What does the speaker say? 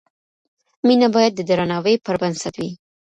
مینه باید د درناوي پر بنسټ وي.